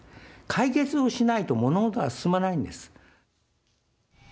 解決をしないと物事は進まないんです。